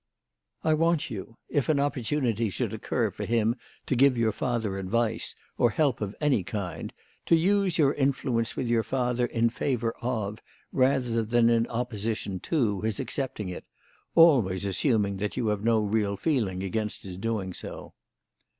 "I want you, if an opportunity should occur for him to give your father advice or help of any kind, to use your influence with your father in favour of, rather than in opposition to, his accepting it always assuming that you have no real feeling against his doing so."